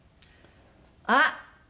あっ！